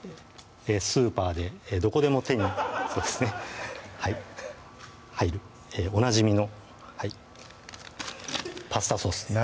スーパーでどこでも手にはい入るおなじみのはいパスタソースです